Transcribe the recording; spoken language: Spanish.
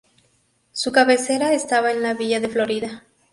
Su cabecera estaba en la Villa de Florida.